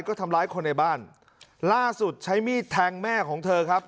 ก็ทำร้ายคนในบ้านล่าสุดใช้มีดแทงแม่ของเธอครับ